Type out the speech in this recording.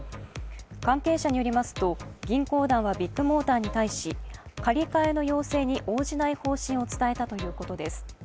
関係者によりますと銀行団はビッグモーターに対し借り換えの要請に応じない方針を伝えたということです。